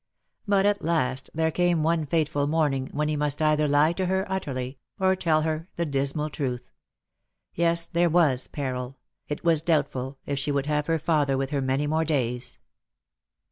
But at last there came one fateful morning when he must either lie to her utterly, or tell her the dismal truth. Yes, there was peril ; it was doubtful if she would have her father with her many more days.